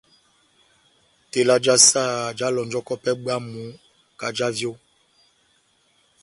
Tela já saha jáhalɔnjɔkɔ pɛhɛ bwámu kahá já vyo.